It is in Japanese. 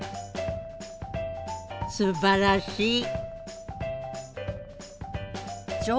すばらしい。